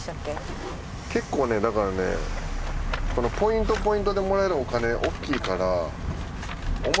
結構ねだからねこのポイントポイントでもらえるお金大きいから。